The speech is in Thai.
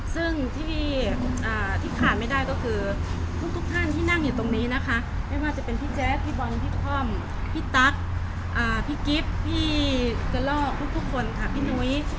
ซึ่งที่ขาดไม่ได้ก็คือทุกท่านที่นั่งอยู่ตรงนี้นะคะไม่ว่าจะเป็นพี่แจ๊คพี่บอลพี่ค่อมพี่ตั๊กพี่กิฟต์พี่กระลอกทุกคนค่ะพี่นุ้ย